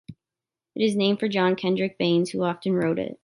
It is named for John Kendrick Bangs who often wrote it.